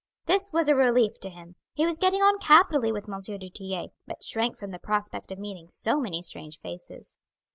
This was a relief to him; he was getting on capitally with M. du Tillet, but shrank from the prospect of meeting so many strange faces.